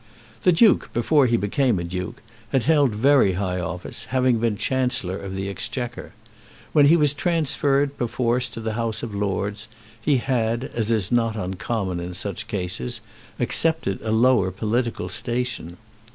The Duke, before he became a duke, had held very high office, having been Chancellor of the Exchequer. When he was transferred, perforce, to the House of Lords, he had, as is not uncommon in such cases, accepted a lower political station.